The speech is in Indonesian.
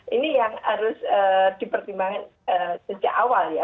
ini yang harus dipertimbangkan sejak awal ya